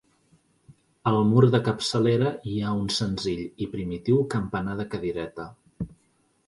Al mur de capçalera hi ha un senzill i primitiu campanar de cadireta.